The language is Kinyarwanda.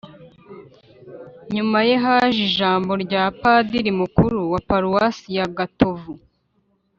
nyuma ye haje ijambo rya padiri mukuru wa paruwasi ya gatovu